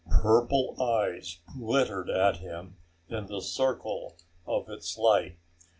Purple eyes glittered at him in the circle of its light.